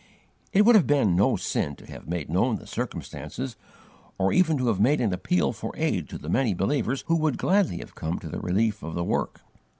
It would have been no sin to have made known the circumstances, or even to have made an appeal for aid to the many believers who would gladly have come to the relief of the work.